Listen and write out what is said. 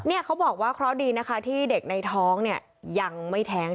เขาบอกว่าเคราะห์ดีนะคะที่เด็กในท้องเนี่ยยังไม่แท้ง